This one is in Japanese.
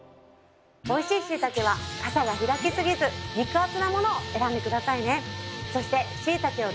おいしいしいたけはカサが開きすぎず肉厚なものを選んでくださいね。